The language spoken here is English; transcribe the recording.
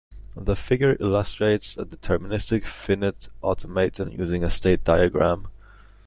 The figure illustrates a deterministic finite automaton using a state diagram.